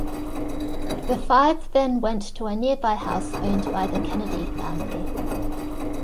The five then went to a nearby house owned by the Kennedy family.